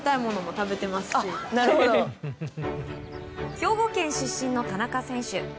兵庫県出身の田中選手。